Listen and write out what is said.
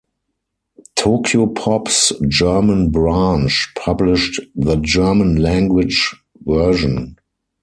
Tokyopop's German branch published the German-language version.